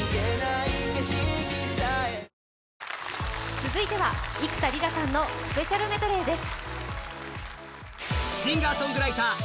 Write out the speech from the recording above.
続いては幾田りらさんのスペシャルメドレーです。